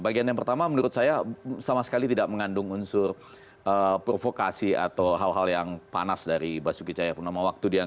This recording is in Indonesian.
bagian yang pertama menurut saya sama sekali tidak mengandung unsur provokasi atau hal hal yang panas dari basuki cahayakurnama